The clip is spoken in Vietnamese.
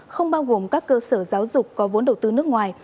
không bao gồm các cơ sở giáo dục có vốn đầu tư nước ngoài